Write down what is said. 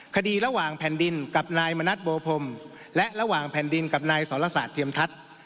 คดีระหว่างแผ่นดินกับนายมณัฐโบพรมและระหว่างแผ่นดินกับนายสรศาสตเทียมทัศน์